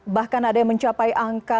bahkan ada yang mencapai angka